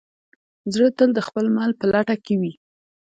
زړه تل د خپل مل په لټه کې وي.